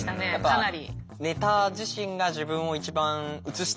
かなり。